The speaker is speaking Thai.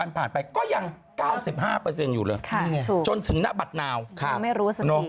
มาไม่รู้สักที